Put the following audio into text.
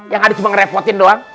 yang adik cuma ngerepotin doang